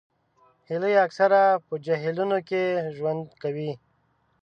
هیلۍ اکثره په جهیلونو کې ژوند کوي